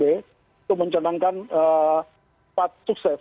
itu mencengangkan empat sukses